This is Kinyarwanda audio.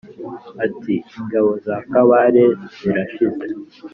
Ati: Ingabo za Kabare zirashize.